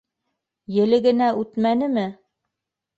Елегенә үтмәнеме?